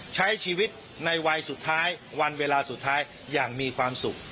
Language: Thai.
ใช้ชีวิตในวัยสุดท้ายวันเวลาสุดท้ายอย่างมีความสุข